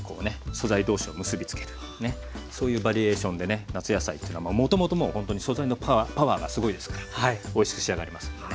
素材同士を結び付けるねそういうバリエーションでね夏野菜というのはもともともうほんとに素材のパワーがすごいですからおいしく仕上がりますんでね。